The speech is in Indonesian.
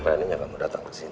beraninya kamu datang ke sini